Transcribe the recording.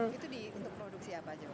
production assistant untuk produksi apa